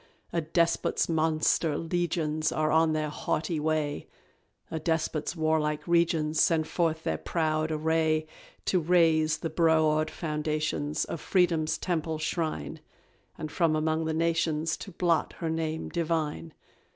A Despot's monster legions Are on their haughty way; A Despot's warlike regions Send forth their proud array, To raze the broad foundations Of Freedom's Temple shrine, And from among the nations To blot her name divine.